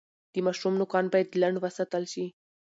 د ماشوم نوکان باید لنډ وساتل شي۔